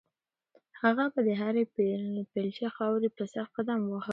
هغه به د هرې بیلچې خاورې په سر قدم واهه.